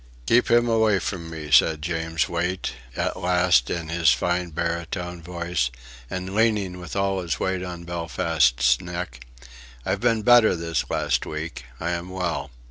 "Keep him away from me," said James Wait at last in his fine baritone voice, and leaning with all his weight on Belfast's neck. "I've been better this last week:... I am well...